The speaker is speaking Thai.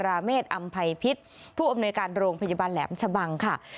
ราเมฆอำภัยพิษผู้อำนวยการโรงพยาบาลแหลมชะบังค่ะ